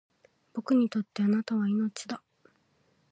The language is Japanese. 僕にとって貴方は命だ